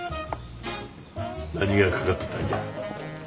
何がかかっとったんじゃ？